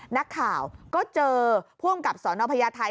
นักข่าวก็เจอผู้อำกับสนพญาไทย